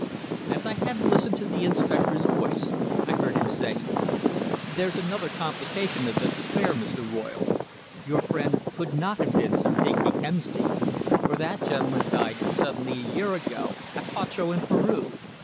As I had listened to the inspector's voice, I heard him say: "There's another complication of this affair, Mr. Royle. Your friend could not have been Sir Digby Kemsley, for that gentleman died suddenly a year ago, at Huacho, in Peru.